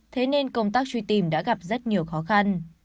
thế nên công tác truy tìm đã gặp rất nhiều khó khăn